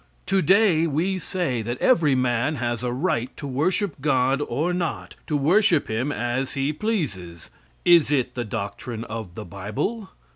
To day we say that every man has a right to worship God or not, to worship him as he pleases. Is it the doctrine of the bible?